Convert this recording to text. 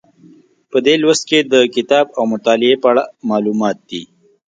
په دې لوست کې د کتاب او مطالعې په اړه معلومات دي.